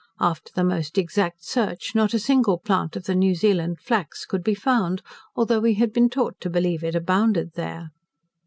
After the most exact search not a single plant of the New Zealand flax could be found, though we had been taught to believe it abounded there.